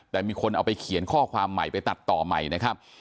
แต่มีคนเอาไปเขียนข้อความใหม่ไปตัดต่อใหม่นะครับ